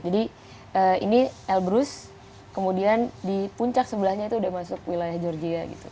ini elbrus kemudian di puncak sebelahnya itu udah masuk wilayah georgia gitu